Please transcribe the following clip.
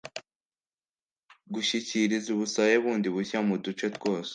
gushyikiriza ubusabe bundi bushya mu duce twose